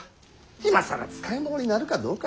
今更使い物になるかどうか。